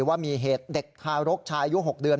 ว่ามีเหตุเด็กทารกชายอายุ๖เดือน